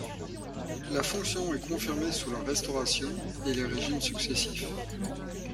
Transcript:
La fonction est confirmée sous la Restauration et les régimes successifs.